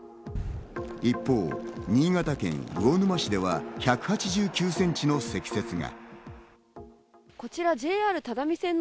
一方、新潟県魚沼市では１８９センチの積雪が。